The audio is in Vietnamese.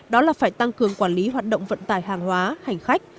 đó là phải tăng cường quản lý hoạt động vận tải hàng hóa hành khách